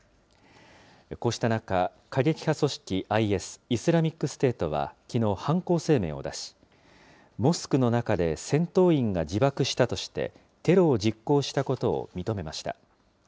こうした中、過激派組織ＩＳ・イスラミックステートはきのう犯行声明を出し、モスクの中で戦闘員が自爆したとして、テロを実行したことを認めました。